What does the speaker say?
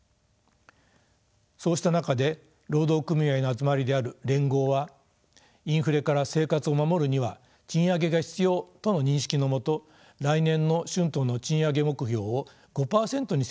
そうした中で労働組合の集まりである連合はインフレから生活を守るには賃上げが必要との認識のもと来年の春闘の賃上げ目標を５％に設定すると発表しました。